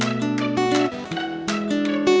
สัญญาณชีวิต